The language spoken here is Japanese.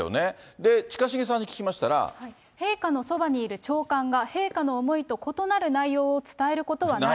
で、近重さんに聞陛下のそばにいる長官が、陛下の思いと異なる内容を伝えることはない。